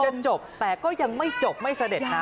เหมือนจะจบแต่ก็ยังไม่จบไม่เสด็จครับ